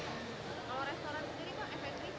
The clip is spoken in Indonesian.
kalau restoran sendiri pak efektif